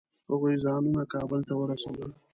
هغوی ځانونه کابل ته ورسول.